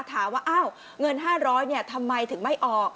ถามว่าเอ้าเงิน๕๐๐เนี่ยทำไมถึงไม่ออก